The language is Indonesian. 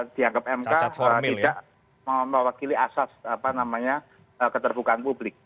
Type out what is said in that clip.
dianggap mk tidak mewakili asas keterbukaan publik